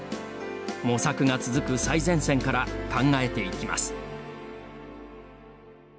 模索が続く最前線から考えていきます。